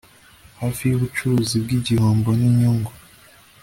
hafi yubucuruzi bwigihombo ninyungu